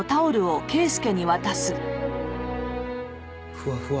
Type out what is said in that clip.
ふわふわ。